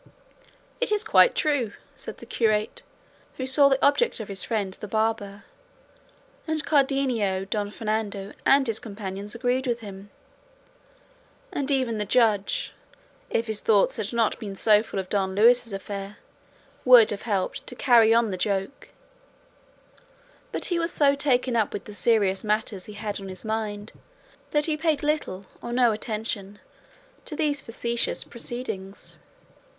"It is quite true," said the curate, who saw the object of his friend the barber; and Cardenio, Don Fernando and his companions agreed with him, and even the Judge, if his thoughts had not been so full of Don Luis's affair, would have helped to carry on the joke; but he was so taken up with the serious matters he had on his mind that he paid little or no attention to these facetious proceedings.